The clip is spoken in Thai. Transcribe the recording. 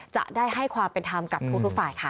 จะได้ให้ความเป็นธรรมกับทุกฝ่ายค่ะ